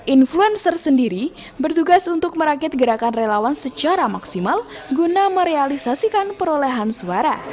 influencer sendiri bertugas untuk merakit gerakan relawan secara maksimal guna merealisasikan perolehan suara